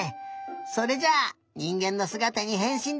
それじゃあにんげんのすがたにへんしんだ！